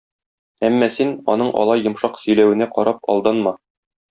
Әмма син, аның алай йомшак сөйләвенә карап, алданма.